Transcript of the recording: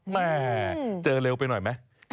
แม่เจอเร็วไปหน่อยไหม